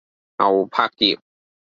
牛柏葉